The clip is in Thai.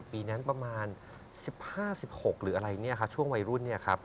ปีนั้นประมาณ๑๕๑๖หรืออะไรนี้ช่วงวัยรุ่นนี้